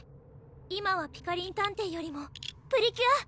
今はピカリン探偵よりもプリキュア！